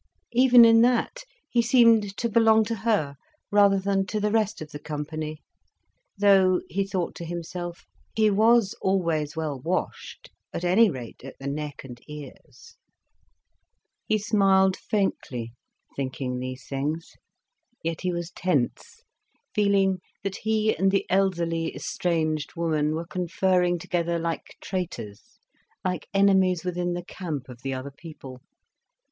Even in that he seemed to belong to her, rather than to the rest of the company; though, he thought to himself, he was always well washed, at any rate at the neck and ears. He smiled faintly, thinking these things. Yet he was tense, feeling that he and the elderly, estranged woman were conferring together like traitors, like enemies within the camp of the other people.